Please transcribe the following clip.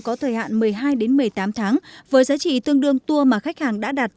có thời hạn một mươi hai một mươi tám tháng với giá trị tương đương tour mà khách hàng đã đặt